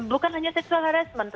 bukan hanya sexual harassment